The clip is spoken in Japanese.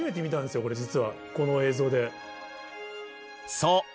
そう。